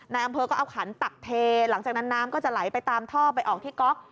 นายอำเภอก็เอาขันตักเทหลังจากนั้นน้ำก็จะไหลไปตามท่อไปออกที่ก๊อก